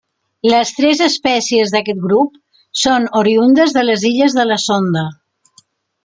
Les tres espècies d'aquest grup són oriündes de les Illes de la Sonda.